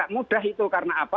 mudah itu karena apa